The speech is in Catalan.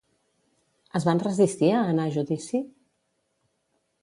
Es van resistir a anar a judici?